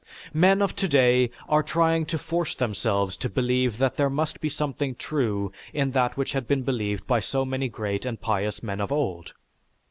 _) Men of today are trying to force themselves to believe that there must be something true in that which had been believed by so many great and pious men of old.